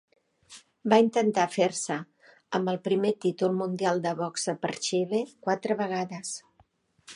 Va intentar fer-se amb el primer títol mundial de boxa per Xile quatre vegades.